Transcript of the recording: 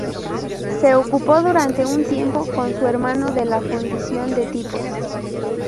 Se ocupó durante un tiempo con su hermano de la fundición de tipos.